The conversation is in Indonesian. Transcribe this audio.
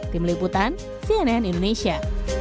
tim liputan cnn indonesia